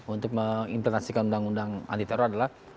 untuk menginflasikan undang undang anti teror adalah